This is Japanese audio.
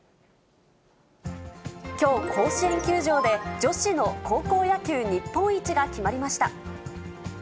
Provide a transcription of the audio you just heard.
きょう、甲子園球場で女子の高校野球日本一が決まりました。